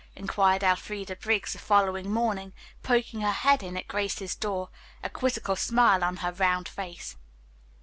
inquired Elfreda Briggs the following morning, poking her head in at Grace's door, a quizzical smile on her round face.